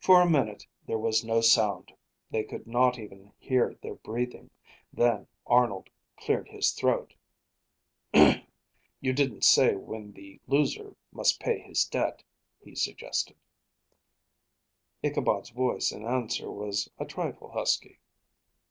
For a minute there was no sound. They could not even hear their breathing. Then Arnold cleared his throat. "You didn't say when the loser must pay his debt," he suggested. Ichabod's voice in answer was a trifle husky.